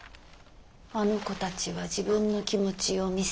あの子たちは自分の気持ちを見せない。